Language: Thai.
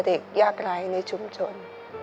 เด็กยากไร้ในชุมชน